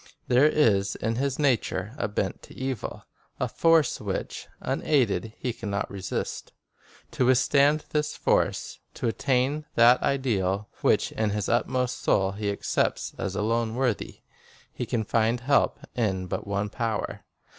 There is in his nature a bent to evil, a force which, unaided, he can not resist. To withstand this force, to attain that ideal which in his inmost soul he accepts as alone worthy, he can find help in but one power.